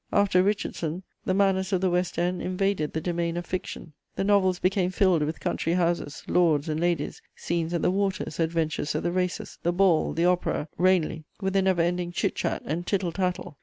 After Richardson, the manners of the West End invaded the domain of fiction: the novels became filled with country houses, lords and ladies, scenes at the waters, adventures at the races, the ball, the opera, Ranelagh, with a never ending chit chat and tittle tattle.